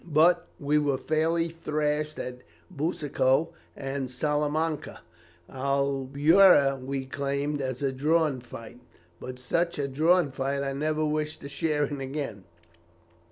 But we were fairly thrashed at Busaco and Salamanca. Albuera we claimed as a drawn fight, but such a drawn fight I never wish to share in again.